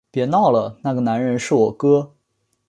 别闹了，那个男人是我哥